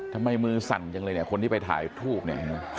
ทำไมมือสั่นจังเลยเนี่ยคนที่ไปถ่ายทูบเนี่ย